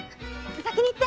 先に行って。